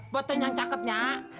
foto yang cakepnya